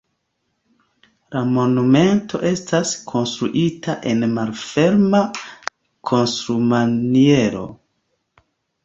La monumento estas konstruita en malferma konstrumaniero.